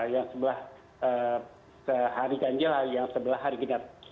yang sebelah sehari ganjil yang sebelah hari genap